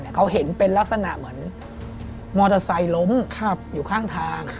เขาเห็นเป็นลักษณะเหมือนมอเตอร์ไซค์ล้มอยู่ข้างทาง